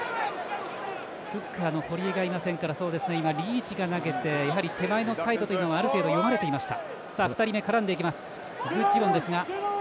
フッカーの堀江がいませんからリーチが投げて手前のサイドというのはある程度、読まれていました。